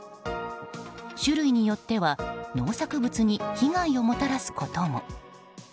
種類によっては農作物に被害をもたらすことも。